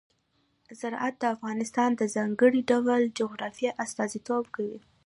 زراعت د افغانستان د ځانګړي ډول جغرافیه استازیتوب کوي.